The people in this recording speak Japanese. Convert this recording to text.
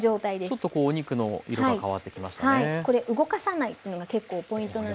これ動かさないっていうのが結構ポイントなんですね。